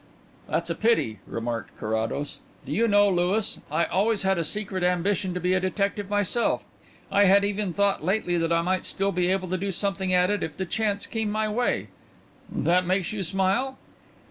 "That's a pity," remarked Carrados. "Do you know, Louis, I always had a secret ambition to be a detective myself. I have even thought lately that I might still be able to do something at it if the chance came my way. That makes you smile?"